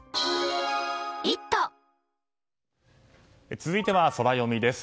続いては、ソラよみです。